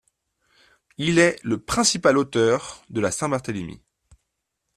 Il est le principal auteur de la Saint-Barthélemy.